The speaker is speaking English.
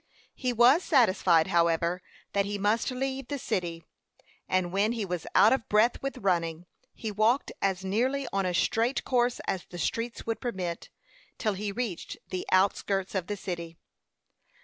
He was satisfied, however, that he must leave the city; and when he was out of breath with running, he walked as nearly on a straight course as the streets would permit, till he reached the outskirts of the city.